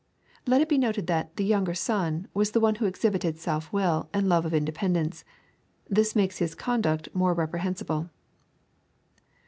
] Let it be noted that the "younger son" was the one who exhibited self will, and love of independ ence. This makes his conduct more reprehensible.